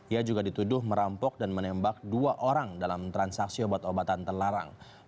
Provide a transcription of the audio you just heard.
ia juga dituduh merampok dan menembak dua orang dalam transaksi obat obatan terlarang